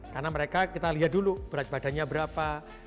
karena mereka kita lihat dulu berat badannya berapa